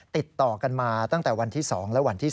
ติดต่อกันมาตั้งแต่วันที่๒และวันที่๒